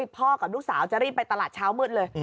กับลูกสาวจะรีบไปตลาดเช้ามืดเลย